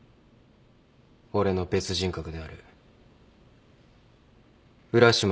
俺の別人格である浦島